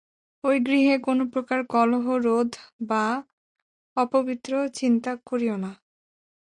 ঐ গৃহে কোন প্রকার কলহ ক্রোধ বা অপবিত্র চিন্তা করিও না।